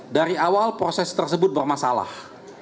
dari awal proses tersebut bermasalah